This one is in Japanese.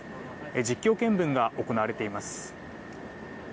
実況見分が行われています。